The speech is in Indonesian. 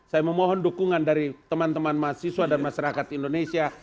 saya memohon dukungan dari teman teman mahasiswa dan masyarakat indonesia